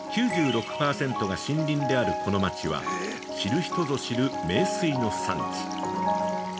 ９６％が森林であるこの町は、知る人ぞ知る名水の産地。